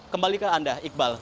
kembali ke anda iqbal